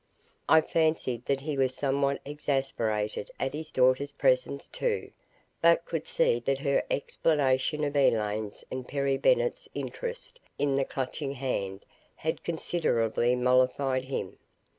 I fancied that he was somewhat exasperated at his daughter's presence, too, but could see that her explanation of Elaine's and Perry Bennett's interest in the Clutching Hand had considerably mollified him.